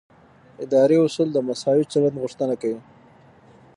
اداري اصول د مساوي چلند غوښتنه کوي.